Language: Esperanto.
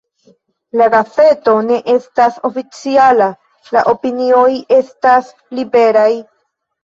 La gazeto ne estas oficiala, la opinioj estas liberaj.